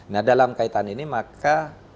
nah dalam kaitan ini maka